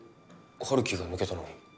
陽樹が抜けたのに？